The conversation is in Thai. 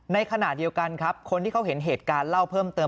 ในขณะเดียวกันครับคนที่เขาเห็นเหตุการณ์เล่าเพิ่มเติม